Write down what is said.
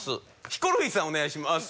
ヒコロヒーさんお願いします。